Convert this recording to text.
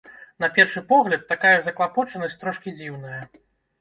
На першы погляд, такая заклапочанасць трошкі дзіўная.